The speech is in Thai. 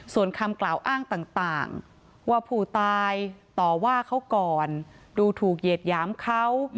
ส่วนคำกล่าวอ้างต่างว่าผู้ตายต่อว่าเขาก่อนดูถูกเหยียดหยามเขา